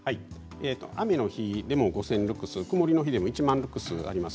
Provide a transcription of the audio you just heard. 雨の日でも５０００ルクス曇りの日でも１万ルクスあります。